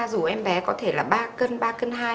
dù em bé có thể là ba cân ba cân hai